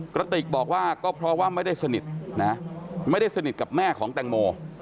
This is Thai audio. กระติกบอกว่าก็เพราะว่าไม่ได้สนิทนะไม่ได้สนิทกับแม่ของแตงโม